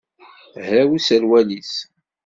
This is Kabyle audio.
Hraw userwal-is.